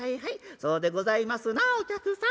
そうでございますなあお客さん。